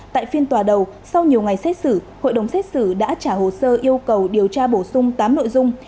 tại phiên tòa đầu sau nhiều ngày xét xử hội đồng xét xử đã trả hồ sơ yêu cầu điều tra bổ sung tám mươi triệu đồng